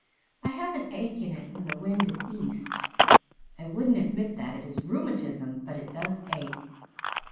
I have an ache in it when the wind is east. I won't admit that it is rheumatism, but it does ache.